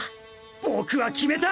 僕は決めた！